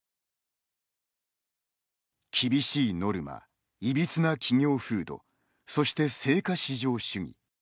厳しいノルマ、いびつな企業風土そして、成果至上主義。